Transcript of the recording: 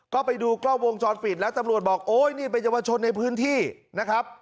ก็ไปดูกล้องวงจรปิดแล้วตำรวจบอกโอ๊ยนี่เป็นเยาวชนในพื้นที่นะครับ